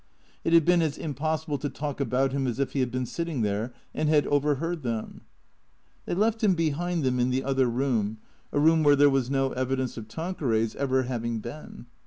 It had been as impossible to talk about him as if he had been sitting there and had overheard them. They left him behind them in the other room, a room where there was no evidence of Tanqueray 's ever having been.